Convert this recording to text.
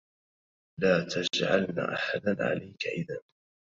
لا تجعلن أحدا عليك إذا